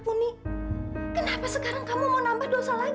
tino keluar keluar